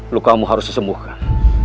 luka kamu harus disembuhkan